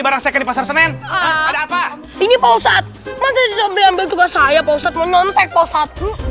barang second pasar senen ada apa ini posat masa disambil ambil juga saya postat menontek posat